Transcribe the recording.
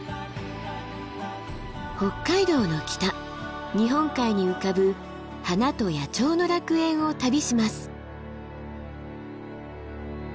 北海道の北日本海に浮かぶ花と野鳥の楽園を旅します。